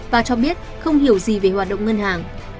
và cho biết không hiểu gì về hoạt động ngân hàng